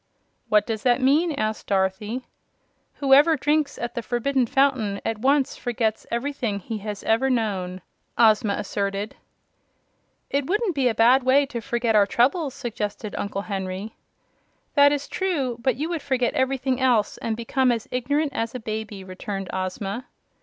"What does that mean?" asked Dorothy. "Whoever drinks at the Forbidden Fountain at once forgets everything he has ever known," Ozma asserted. "It wouldn't be a bad way to forget our troubles," suggested Uncle Henry. "That is true; but you would forget everything else, and become as ignorant as a baby," returned Ozma.